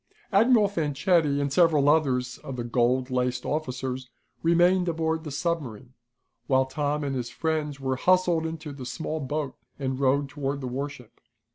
Admiral Fanchetti and several others of the gold laced officers remained aboard the submarine, while Tom and his friends were hustled into the small boat and rowed toward the warship.